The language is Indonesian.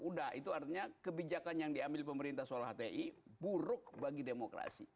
udah itu artinya kebijakan yang diambil pemerintah soal hti buruk bagi demokrasi